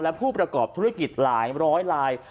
และผู้ประกอบธุรกิจหลายร้อยลาย